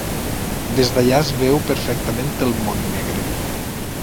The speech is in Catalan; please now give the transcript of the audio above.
Des d'allà es veu perfectament el Montnegre.